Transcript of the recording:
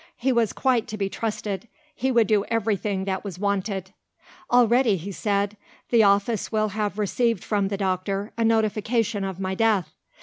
He was quite to be trusted he would do everything that was wanted. "Already," he said, "the Office will have received from the doctor a notification of my death.